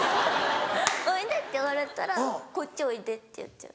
「おいで」って言われたら「こっちおいで」って言っちゃう。